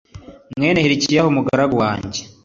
mwene Hilikiyahu, umugaragu wanjye,